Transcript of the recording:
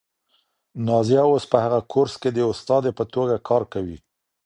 نازیه اوس په هغه کورس کې د استادې په توګه کار کوي.